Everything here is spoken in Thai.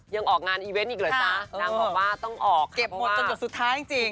ยังออกงานอีเวนต์อีกเหรอจ๊ะนางบอกว่าต้องออกเก็บหมดจนหยดสุดท้ายจริง